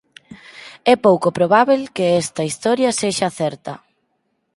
É pouco probábel que esta historia sexa certa.